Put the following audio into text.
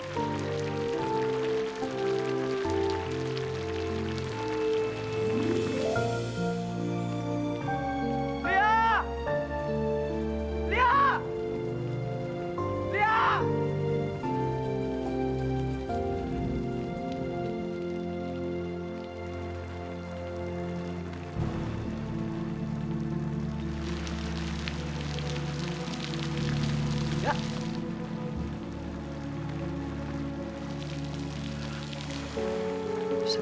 kalau memali kan saja